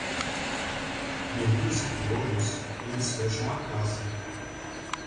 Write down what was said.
Meninos e piolhos, eles fecham a casa.